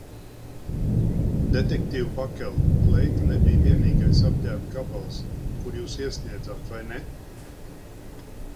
Detektīv Pakel, kleita nebija vienīgais apģērba gabals, kuru jūs iesniedzāt, vai ne?